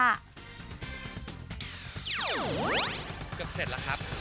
เกือบเสร็จแล้วครับ